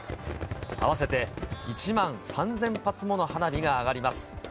合わせて１万３０００発もの花火が上がります。